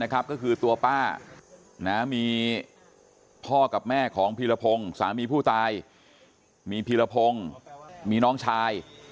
ก็คือตัวป้ามีพ่อกับแม่ของพีรพงศ์สามีผู้ตายมีพีรพงศ์มีน้องชาย